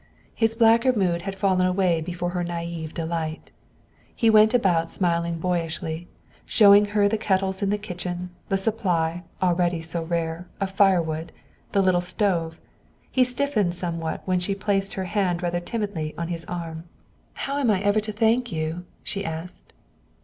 His blacker mood had fallen away before her naive delight. He went about smiling boyishly, showing her the kettles in the kitchen; the supply, already so rare, of firewood; the little stove. But he stiffened somewhat when she placed her hand rather timidly on his arm. "How am I ever to thank you?" she asked.